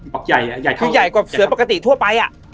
ที่ใหญ่กว่าเสือปกติทั่วไป